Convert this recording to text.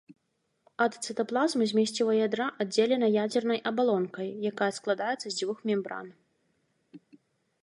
Ад цытаплазмы змесціва ядра аддзелена ядзернай абалонкай, якая складаецца з дзвюх мембран.